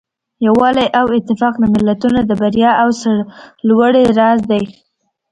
یووالی او اتفاق د ملتونو د بریا او سرلوړۍ راز دی.